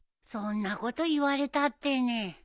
そんなこと言われたってねぇ。